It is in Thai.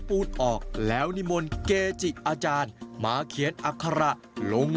ปูดออกแล้วนิมนต์เกจิอาจารย์มาเขียนอัคระลง